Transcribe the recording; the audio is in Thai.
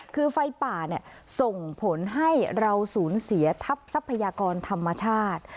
คือไฟป่าส่งผลให้เราสูญเสียทัพทรัพยากรธรรมชาติ